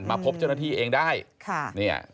มาพบเจ้าหน้าที่เองได้